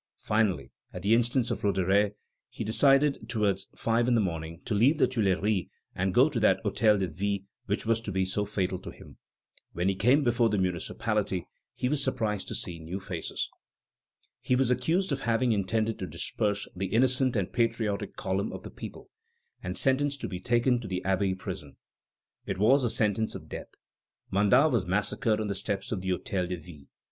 Finally, at the instance of Roederer, he decided, towards five in the morning, to leave the Tuileries and go to that Hôtel de Ville, which was to be so fatal to him. When he came before the municipality he was surprised to see new faces. He was accused of having intended to disperse "the innocent and patriotic column of the people," and sentenced to be taken to the Abbey prison. It was a sentence of death. Mandat was massacred on the steps of the Hôtel de Ville.